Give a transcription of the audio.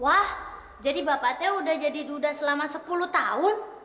wah jadi bapak t udah jadi duda selama sepuluh tahun